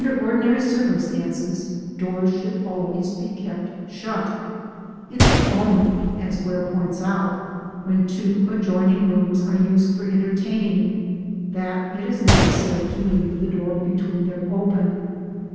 Under ordinary circumstances, doors should always be kept shut; it is only, as Ware points out, when two adjoining rooms are used for entertaining that it is necessary to leave the door between them open.